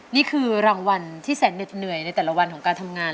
นี่คือรางวัลที่แสนเหน็ดเหนื่อยในแต่ละวันของการทำงาน